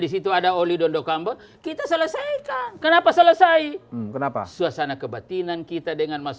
disitu ada oli dondokambo kita selesaikan kenapa selesai kenapa suasana kebatinan kita dengan mas